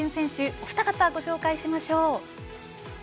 お二方ご紹介しましょう。